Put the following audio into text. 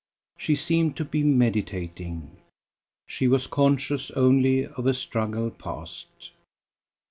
She seemed to be meditating. She was conscious only of a struggle past.